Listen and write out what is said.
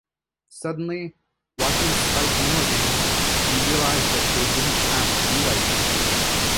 Suddenly, watching Spike Milligan, we realized that they didn't have to be like that.